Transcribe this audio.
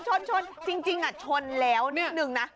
จริงชนแล้วนิดหนึ่งนะ